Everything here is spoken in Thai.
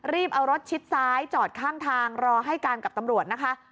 รีบเอารถชิดซ้ายจอดข้างทางรอให้การกับตำรวจนะคะ